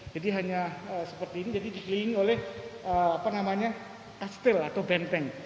jadi hanya seperti ini jadi dikelilingi oleh apa namanya kastil atau benteng